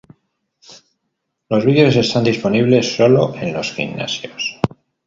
Los vídeos están disponibles solo en los gimnasios.